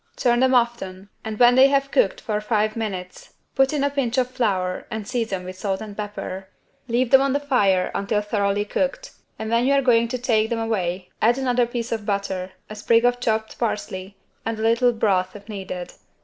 Turn them often and when they have cooked for five minutes put in a pinch of flour and season with salt and pepper. Leave them on the fire until thoroughly cooked and when you are going to take them away add another piece of butter, a sprig of chopped parsley and a little broth if needed.